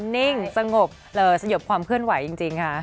นิ่งสงบสยบความเคลื่อนไหวจริงค่ะ